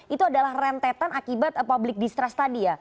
itu adalah rentetan akibat public distrust tadi ya